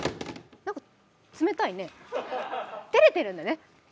何か、冷たいね、照れてるんだね。